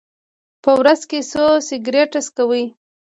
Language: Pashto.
په ورځ کې څو سګرټه څکوئ؟